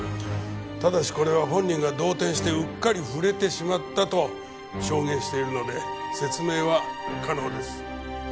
ただしこれは本人が動転してうっかり触れてしまったと証言しているので説明は可能です。